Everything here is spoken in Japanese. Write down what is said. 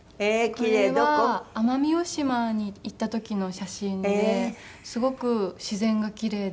これは奄美大島に行った時の写真ですごく自然がきれいで。